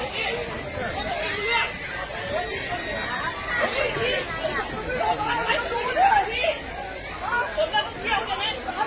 เร็วเร็ว